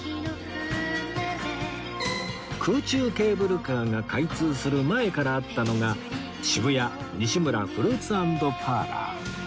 空中ケーブルカーが開通する前からあったのが渋谷西村フルーツ＆パーラー